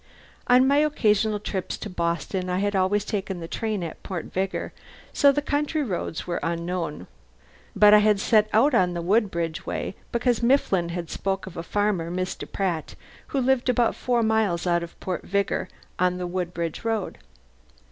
On my occasional trips to Boston I had always taken the train at Port Vigor, so the country roads were unknown. But I had set out on the Woodbridge way because Mifflin had spoken of a farmer, Mr. Pratt, who lived about four miles out of Port Vigor, on the Woodbridge Road.